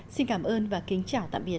xin cảm ơn và kính chào tạm biệt